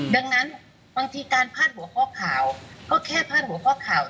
ดังนั้นบางทีการพาดหัวข้อข่าวก็แค่พาดหัวข้อข่าว